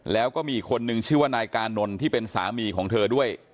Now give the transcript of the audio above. แล้วก็มีอีกคนนึงชื่อว่านายกานนท์ที่เป็นสามีของเธอด้วย